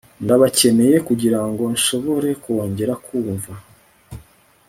ndabakeneye kugirango nshobore kongera kumva